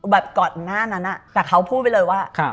แบบก่อนหน้านั้นแต่เขาพูดไปเลยว่า